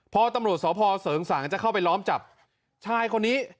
พอตำรวจสพเสริงสางจะเข้าไปล้อมจับชายคนนี้